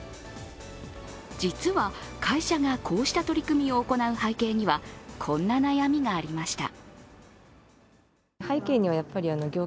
実は会社がこうした取り組みを行う背景にはこんな悩みがありました。